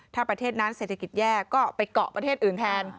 ถ้าประเทศนั้นเศรษฐกิจแย่ก็ไปเกาะประเทศอื่นแทน